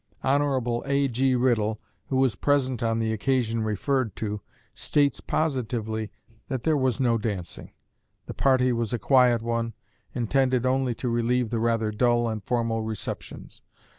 Hon. A.G. Riddle, who was present on the occasion referred to, states positively that there was no dancing; the party was a quiet one, intended only to relieve the rather dull and formal receptions.